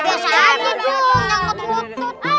ida saja bang